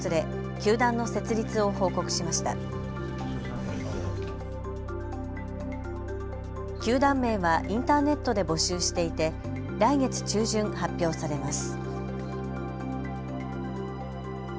球団名はインターネットで募集していて来月中旬、発表されます。